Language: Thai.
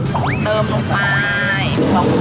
ลองได้โวดูไหมดูเหรอมาสักสองที